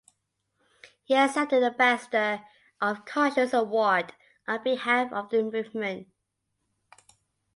He accepted the Ambassador of Conscience Award on behalf of the movement.